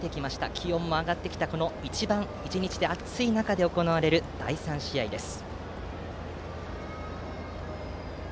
気温も上がってきた１日で一番暑い中で行われる第３試合です。